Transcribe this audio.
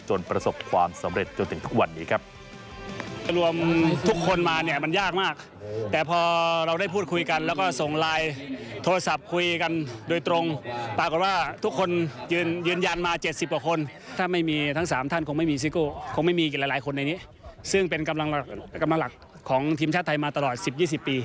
ประสบความสำเร็จจนถึงทุกวันนี้ครับ